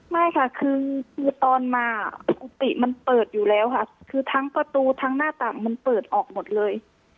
ไม่ค่ะคือตอนมากุติมันเปิดอยู่แล้วค่ะคือทั้งประตูทั้งหน้าต่างมันเปิดออกหมดเลย